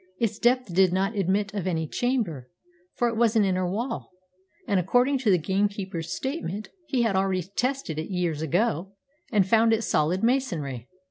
Its depth did not admit of any chamber, for it was an inner wall; and, according to the gamekeeper's statement, he had already tested it years ago, and found it solid masonry.